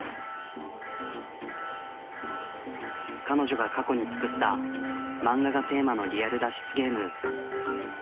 彼女が過去に作った漫画がテーマのリアル脱出ゲーム。